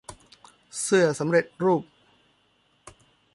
เสื้อสำเร็จรูป